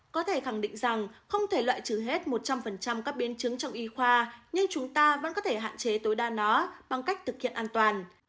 có thể khẳng định rằng không thể loại trừ hết một trăm linh các biến chứng trong y khoa nhưng chúng ta vẫn có thể hạn chế tối đa nó bằng cách thực hiện an toàn